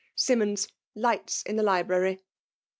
'^ Sim mons^ lights in the library.''